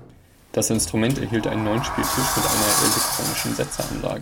Das Instrument erhielt einen neuen Spieltisch mit einer elektronischen Setzeranlage.